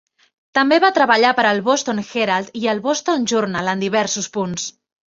També va treballar per al "Boston Herald" i el "Boston Journal" en diversos punts.